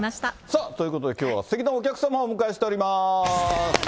さあ、ということで、きょうはすてきなお客様をお迎えしております。